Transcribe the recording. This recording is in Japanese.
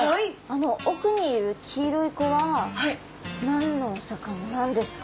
あの奥にいる黄色い子は何のお魚なんですか？